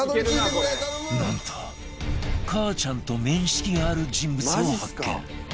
なんとかあちゃんと面識がある人物を発見